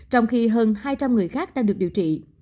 trong khi hơn hai trăm linh người khác đang được điều trị